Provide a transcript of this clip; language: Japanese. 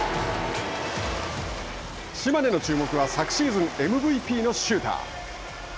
島根の注目は、昨シーズンＭＶＰのシューター。